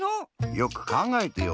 よくかんがえてよ。